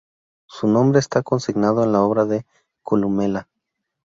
Su nombre está consignado en la obra de Columela.